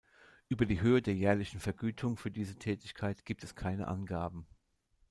Über die Höhe der jährlichen Vergütung für diese Tätigkeit gibt es keine Angaben.